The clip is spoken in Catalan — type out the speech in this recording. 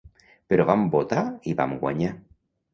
Però vam votar i vam guanyar.